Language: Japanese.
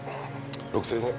６０００円ね。